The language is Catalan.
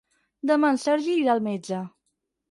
Demà en Sergi irà al metge.